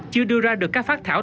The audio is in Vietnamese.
chưa đưa ra được các phát thảo